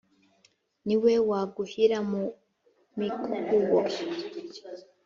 Ni we waguhira mu mikubo,